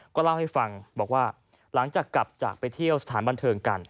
ก็เล่าให้ฟังบอกว่าหลังจากกลับจากไปเที่ยวสถานบันเทิงกัน